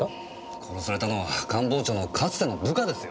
殺されたのは官房長のかつての部下ですよ。